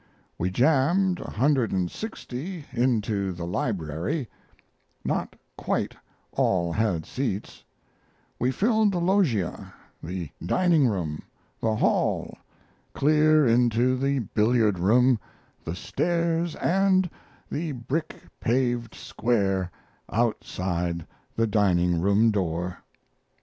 We jammed 160 into the library (not quite all had seats), we filled the loggia, the dining room, the hall, clear into the billiard room, the stairs, and the brick paved square outside the dining room door.